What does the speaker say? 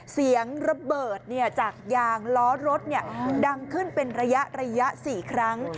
เสียงระเบิดจากยางล้อรถดังขึ้นเป็นระยะ๔ครั้ง